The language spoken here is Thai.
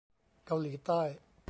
เกาหลีใต้